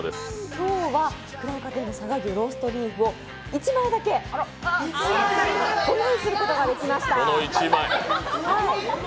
今日はくらおか亭の佐賀牛ローストビーフを１枚だけご用意することができました。